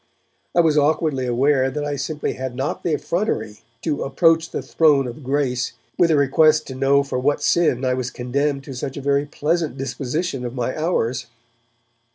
I was awkwardly aware that I simply had not the effrontery to 'approach the Throne of Grace' with a request to know for what sin I was condemned to such a very pleasant disposition of my hours.